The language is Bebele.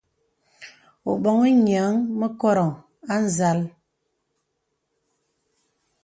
Ō boŋhi nīəŋ mə koròŋ à nzàl.